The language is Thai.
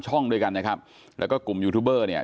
ช่องด้วยกันนะครับแล้วก็กลุ่มยูทูบเบอร์เนี่ย